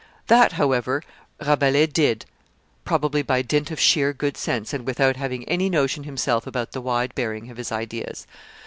That, however, Rabelais did, probably by dint of sheer good sense, and without having any notion himself about the wide bearing of his ideas.